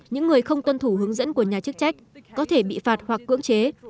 những người không tuân thủ hướng dẫn của nhà chức trách có thể bị phạt hoặc cưỡng chế